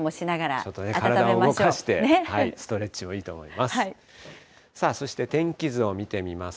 ちょっとね、体を動かして、ストレッチもいいと思います。